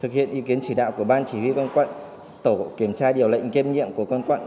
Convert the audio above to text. thực hiện ý kiến chỉ đạo của ban chỉ huy quân quận tổ kiểm tra điều lệnh kiêm nhiệm của con quận